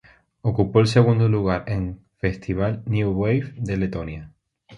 Ocupó el segundo lugar en festival "New Wave" de Letonia.